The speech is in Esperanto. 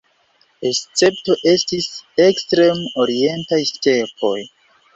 Escepto estis ekstrem-orientaj stepoj.